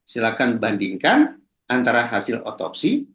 silahkan bandingkan antara hasil otopsi